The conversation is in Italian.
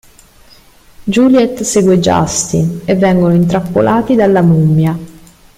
Juliet segue Justin e vengono intrappolati dalla mummia.